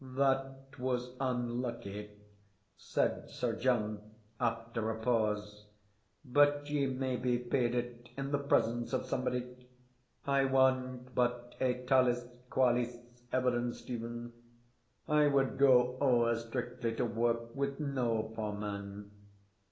"That was unlucky," said Sir John, after a pause. "But ye maybe paid it in the presence of somebody. I want but a talis qualis evidence, Stephen. I would go ower strictly to work with no poor man."